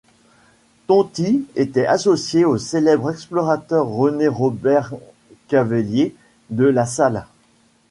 Tonti était associé au célèbre explorateur René-Robert Cavelier de La Salle.